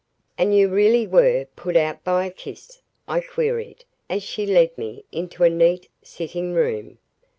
"And you really were put out by a kiss?" I queried, as she led me into a neat sitting room.